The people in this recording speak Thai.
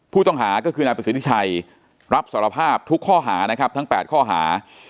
ผู้ต้องหาก็คือนายประสิทธิชัยรับสารภาพทุกข้อหานะครับทั้ง๘ข้อหา